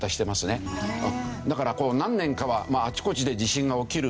だから何年かはあちこちで地震が起きる。